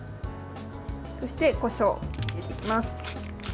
そしてこしょうを入れていきます。